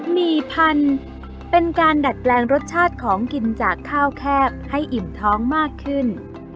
หมี่พันธุ์เป็นการดัดแปลงรสชาติของกินจากข้าวแคบให้อิ่มท้องมากขึ้น